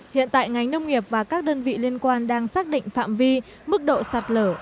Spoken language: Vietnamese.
hiện tại ngành nông nghiệp và các đơn vị liên quan đang xác định phạm vi mức độ sạt lở